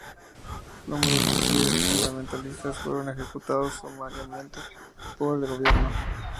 Numerosos líderes fundamentalistas fueron ejecutados sumariamente por el gobierno.